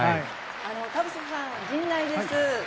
田臥さん、陣内です。